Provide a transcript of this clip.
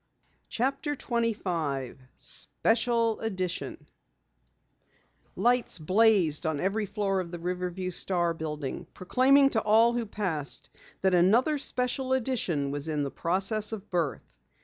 CHAPTER 25 SPECIAL EDITION Lights blazed on every floor of the Riverview Star building, proclaiming to all who passed that another special edition was in the process of birth.